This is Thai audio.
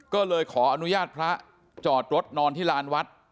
ก็เลยขออนุญาตพระจอดรถนอนที่ลานวัด